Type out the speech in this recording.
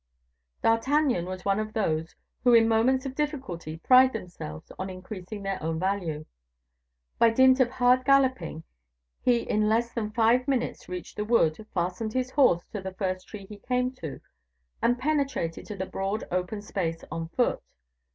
D'Artagnan was one of those who in moments of difficulty pride themselves on increasing their own value. By dint of hard galloping, he in less than five minutes reached the wood, fastened his horse to the first tree he came to, and penetrated to the broad open space on foot.